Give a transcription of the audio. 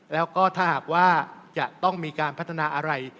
แล้วก็ถ้าหากว่าจะต้องมีการพัฒนาอะไร